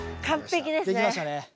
完璧ですね。